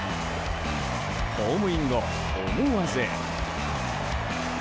ホームイン後、思わず。